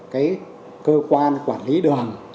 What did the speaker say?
cái cơ quan quản lý đường